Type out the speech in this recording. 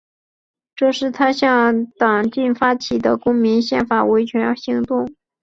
这是他向党禁发起的公民宪法维权行动。